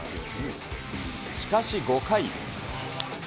しかし５回。